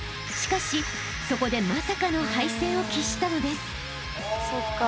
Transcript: ［しかしそこでまさかの敗戦を喫したのです］